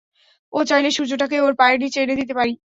ও চাইলে সূর্যটাকেও ওর পায়ের নিচে এনে দিতে পারি!